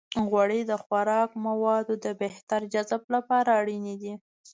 غوړې د خوراکي موادو د بهتر جذب لپاره اړینې دي.